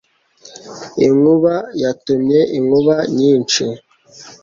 Inkuba yatumye inkuba nyinshi.